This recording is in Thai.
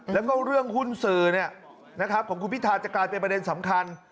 แล้วก็เรื่องหุ้นสื่อของคุณพิธาจะกลายเป็นประเด็นสำคัญ